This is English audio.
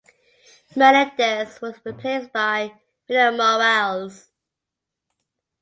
Melendez was replaced by Vina Morales.